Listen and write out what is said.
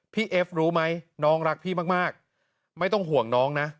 เอฟรู้ไหมน้องรักพี่มากไม่ต้องห่วงน้องนะ